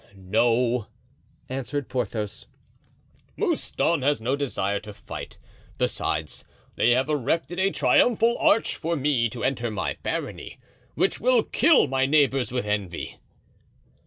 "No," answered Porthos, "Mouston has no desire to fight; besides, they have erected a triumphal arch for me to enter my barony, which will kill my neighbors with envy."